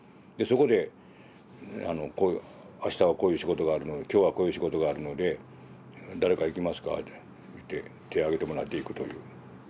でそこであしたはこういう仕事があるので今日はこういう仕事があるので誰か行きますかって言って手挙げてもらって行くという。